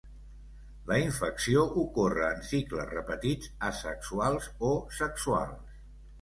La infecció ocorre en cicles repetits asexuals o sexuals.